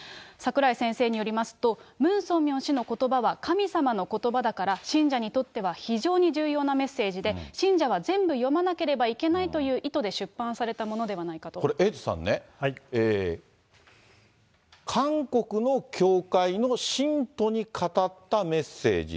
櫻井先生によりますと、ムン・ソンミョン氏のことばは、神様のことばだから、信者にとっては非常に重要なメッセージで、信者は全部読まなければいけないという意図で出版されたものではこれ、エイトさんね、韓国の教会の信徒に語ったメッセージ。